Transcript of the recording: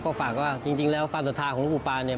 ก็ฝากว่าจริงแล้วความศรัทธาของหลวงปู่ปาเนี่ย